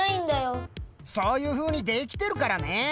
そういうふうに出来てるからね！